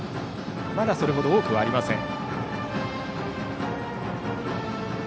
まだそれほど多くはありません。